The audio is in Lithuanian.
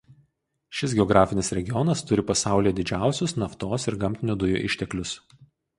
Šis geografinis regionas turi pasaulyje didžiausius naftos ir gamtinių dujų išteklius.